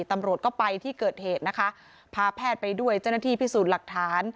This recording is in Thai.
ตำรวจก็ไปที่เกิดเหตุนะคะพาแพทย์ไปด้วยเจ้าหน้าที่พิสูจน์หลักฐาน